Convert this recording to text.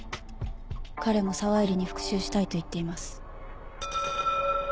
彼も沢入に復讐したいと言っています。